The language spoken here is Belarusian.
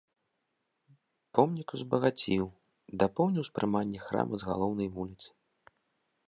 Помнік узбагаціў, дапоўніў успрыманне храма з галоўнай вуліцы.